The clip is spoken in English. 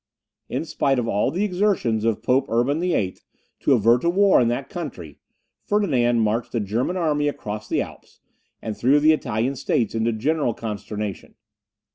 In spite of all the exertions of Pope Urban VIII. to avert a war in that country, Ferdinand marched a German army across the Alps, and threw the Italian states into a general consternation.